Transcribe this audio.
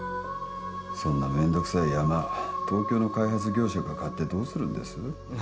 そんな面倒くさい山、東京の開発業者が買ってどうするんです？